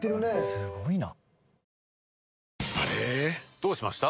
すごいな。